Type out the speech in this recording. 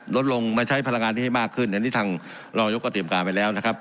ลดลงมาใช้พลังงานนี้ให้มากขึ้นอันนี้ทางรองยกก็เตรียมการไปแล้วนะครับ